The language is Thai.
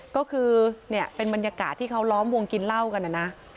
ก็คือเนี่ยเป็นบรรยากาศที่เขาล้อมวงกินเหล้ากันนะนะ